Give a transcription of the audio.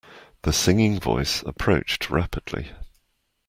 The singing voice approached rapidly.